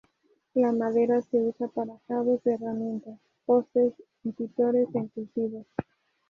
La madera se usa para cabos de herramientas, postes y tutores en cultivos.